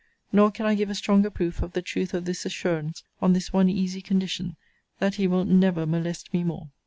Nor can I give a stronger proof of the truth of this assurance, on this one easy condition, that he will never molest me more.